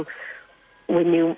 dan kita hanya menunggu